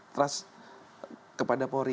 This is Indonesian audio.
trust kepada polri